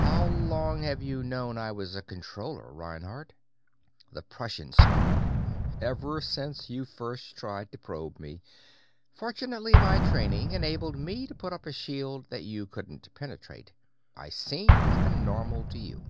"How long have you known I was a Controller, Reinhardt?" The Prussian smiled. "Ever since you first tried to probe me. Fortunately, my training enabled me to put up a shield that you couldn't penetrate; I seemed like a Normal to you.